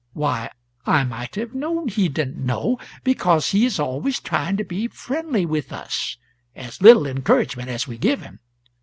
Why, I might have known he didn't know, because he is always trying to be friendly with us, as little encouragement as we give him.